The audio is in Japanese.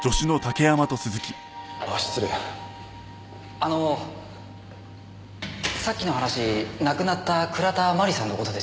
あのさっきの話亡くなった倉田真理さんの事ですよね？